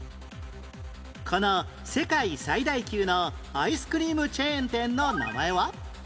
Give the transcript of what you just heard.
この世界最大級のアイスクリームチェーン店の名前は？